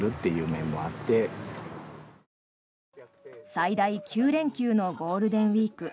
最大９連休のゴールデンウィーク。